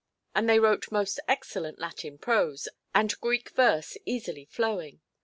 And they wrote most excellent Latin prose, and Greek verse easily flowing.